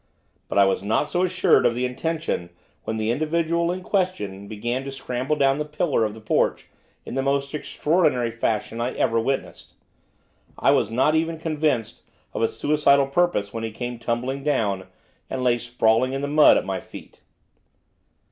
But I was not so assured of the intention when the individual in question began to scramble down the pillar of the porch in the most extraordinary fashion I ever witnessed, I was not even convinced of a suicidal purpose when he came tumbling down, and lay sprawling in the mud at my feet.